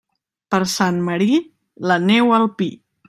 Per Sant Marí, la neu al pi.